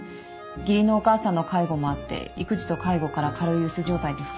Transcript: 義理のお母さんの介護もあって育児と介護から軽い鬱状態で服薬している。